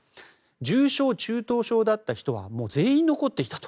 重症・中等症だった人は全員、残っていたと。